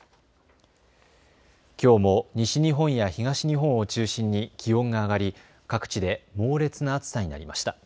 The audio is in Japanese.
きょうも西日本や東日本を中心に気温が上がり各地で猛烈な暑さになりました。